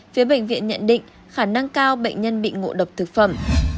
phía bệnh viện nhận định khả năng cao bệnh nhân bị ngộ độc thực phẩm